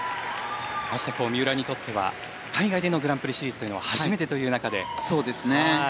三浦にとっては海外でのグランプリシリーズは初めてという中で。